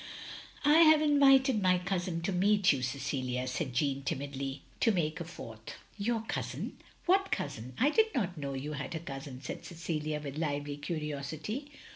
" I have invited my cousin to meet you, Cecilia, " said Jeanne, timidly, "to make a fourth. "" Your cousin 1 What cousin ? I did not know you had a cousin!" said Cecilia, with lively curiosity.